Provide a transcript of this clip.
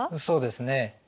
そうですね。